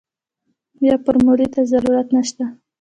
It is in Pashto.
بيا فارمولې ته ضرورت نشته.